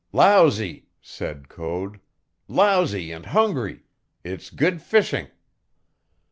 "Lousy!" said Code. "Lousy and hungry! It's good fishing."